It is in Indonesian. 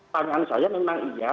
pertanyaan saya memang iya